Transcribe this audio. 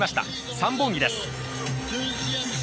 三本木です。